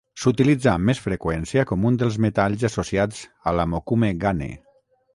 S'utilitza amb més freqüència com un dels metalls associats a la mokume-gane.